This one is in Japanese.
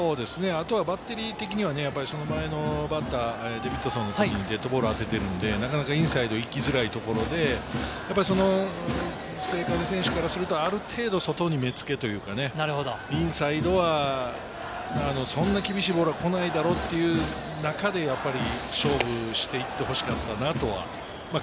バッテリー的には前のバッター、デビッドソンのときにデッドボールを当ててるので、なかなかインサイドに行きづらいところで、末包選手からすると、ある程度、外に目付けというかね、インサイドはそんな厳しいボールは来ないだろうという中で、勝負をしていってほしかったなと。